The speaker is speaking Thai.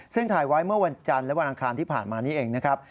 ซึ่งถ่ายไว้เมื่อวันจันทร์และวันอังคารที่ผ่านมานี้เองนะครับ